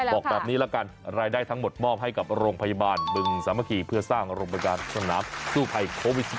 บอกแบบนี้ละกันรายได้ทั้งหมดมอบให้กับโรงพยาบาลบึงสามัคคีเพื่อสร้างโรงพยาบาลสนามสู้ภัยโควิด๑๙